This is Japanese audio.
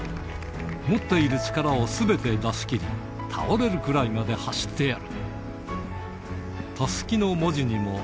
持っている力をすべて出しきり、倒れるくらいまで走ってやる。